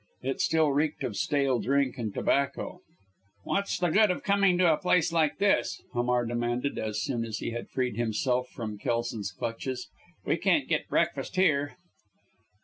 It still reeked of stale drink and tobacco. "What's the good of coming to a place like this?" Hamar demanded, as soon as he had freed himself from Kelson's clutches. "We can't get breakfast here."